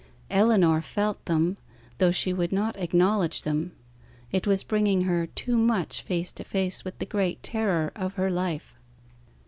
Ellinor felt them, though she would not acknowledge them: it was bringing her too much face to face with the great terror of her life.